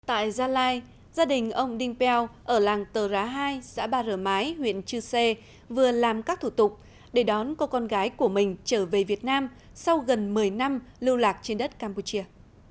tại gia lai gia đình ông đinh peo ở làng tờ rá hai xã ba rái huyện chư sê vừa làm các thủ tục để đón cô con gái của mình trở về việt nam sau gần một mươi năm lưu lạc trên đất campuchia